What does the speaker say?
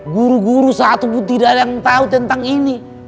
guru guru satu pun tidak ada yang tahu tentang ini